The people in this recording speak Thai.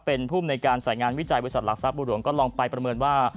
เป็นภูมิในการสายงานวิจัยบริษัทหลักทรัพย์บุหลวงก็ลองไปประเมินว่า